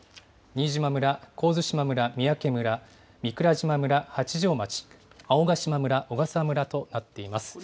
新島村、神津島村、三宅村、御蔵島村、八丈町、青ヶ島村、小笠原村となっています。